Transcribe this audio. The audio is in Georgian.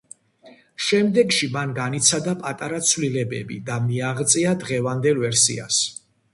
შემდეგში მან განიცადა პატარა ცვლილებები და მიაღწია დღევანდელ ვერსიას.